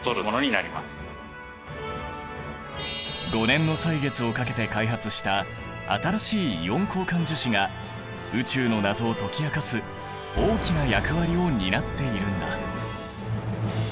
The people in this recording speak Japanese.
５年の歳月をかけて開発した新しいイオン交換樹脂が宇宙の謎を解き明かす大きな役割を担っているんだ。